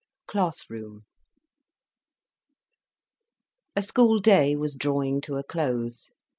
CLASS ROOM A school day was drawing to a close.